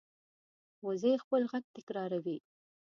وزې خپل غږ تکراروي